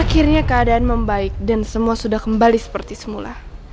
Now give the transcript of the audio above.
akhirnya keadaan membaik dan semua sudah kembali seperti semula